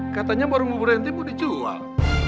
katanya warung buburenti mau dicual